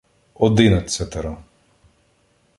Одинадцятеро